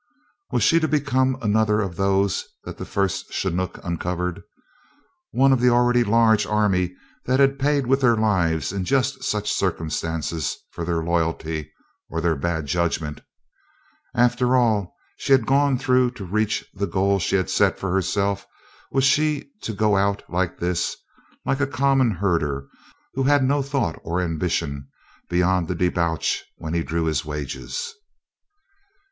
Was she to become another of those that the first chinook uncovered? One of the already large army that have paid with their lives in just such circumstances for their loyalty, or their bad judgment? After all she had gone through to reach the goal she had set for herself was she to go out like this like a common herder who had no thought or ambition beyond the debauch when he drew his wages?